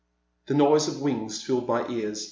The noise of wings filled my ears.